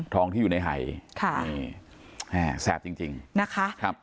ทองที่อยู่ในไหค่ะนี่แสบจริงจริงนะคะครับ